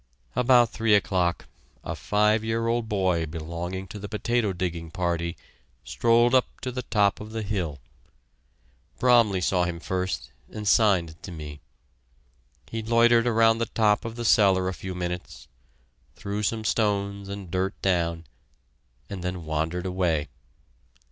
About three o'clock a five year old boy belonging to the potato digging party, strolled up to the top of the hill. Bromley saw him first, and signed to me. He loitered around the top of the cellar a few minutes, threw some stones and dirt down, and then wandered away.